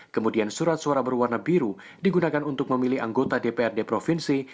kemudian surat suara berwarna biru digunakan untuk memilih anggota dprd provinsi